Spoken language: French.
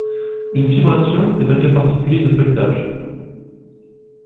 Une fibration est un cas particulier de feuilletage.